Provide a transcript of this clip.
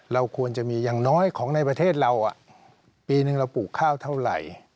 เราควรจะมีอย่างน้อยของในประเทศเราปีนึงเราปลูกข้าวเท่าไหร่